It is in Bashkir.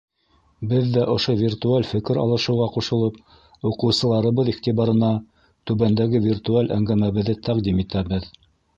Беҙ ҙә ошо виртуаль фекер алышыуға ҡушылып, уҡыусыларыбыҙ иғтибарына түбәндәге виртуаль әңгәмәбеҙҙе тәҡдим итәбеҙ.